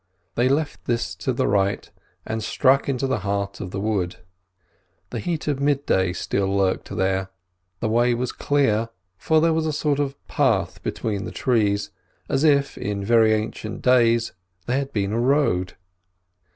They left this to the right and struck into the heart of the wood. The heat of midday still lurked here; the way was clear, for there was a sort of path between the trees, as if, in very ancient days, there had been a road.